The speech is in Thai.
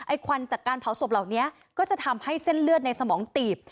ควันจากการเผาศพเหล่านี้ก็จะทำให้เส้นเลือดในสมองตีบ